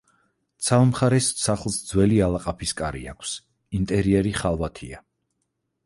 ცალ მხარეს სახლს ძველი ალაყაფის კარი აქვს, ინტერიერი ხალვათია.